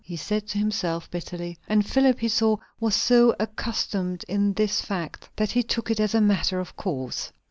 he said to himself bitterly. And Philip, he saw, was so accustomed to this fact, that he took it as a matter of course.